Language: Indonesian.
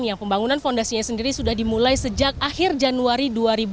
yang pembangunan fondasinya sendiri sudah dimulai sejak akhir januari dua ribu dua puluh